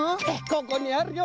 ここにあるよ。